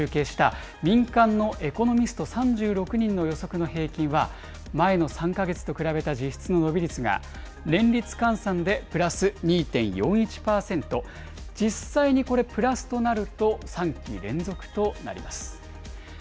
日本経済研究センターが集計した民間のエコノミスト３６人の予測の平均は、前の３か月と比べた実質の伸び率が実際にこれ、プラスとなると、３期連続となります。